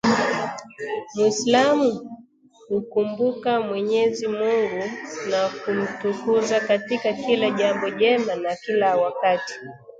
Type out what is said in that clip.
Muislamu humkumbuka Mwenyezi Mungu na kumtukuza katika kila jambo jema na kila wakati